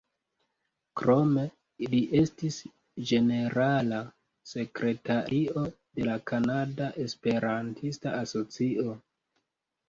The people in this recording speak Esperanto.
Krome, li estis ĝenerala sekretario de la Kanada Esperantista Asocio.